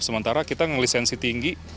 sementara kita yang lisensi tinggi